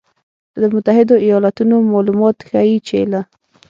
له متحدو ایالتونو مالومات ښیي چې له